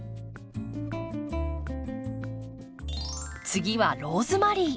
次はローズマリー。